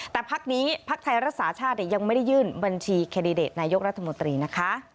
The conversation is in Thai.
แต่พักนี้พักไทยรักษาชาติยังไม่ได้ยื่นบัญชีแคนดิเดตนายกรัฐมนตรีนะคะ